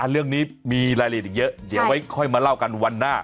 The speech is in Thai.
เรื่องนี้มีรายละเอียดอีกเยอะเดี๋ยวค่อยมาเล่ากันวันหน้า